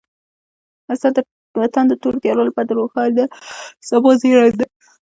استاد د وطن د تورو تیارو لپاره د روښانه سبا زېری دی.